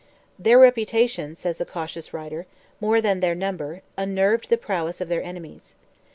"Their reputation," says a cautious writer, "more than their number, unnerved the prowess of their enemies.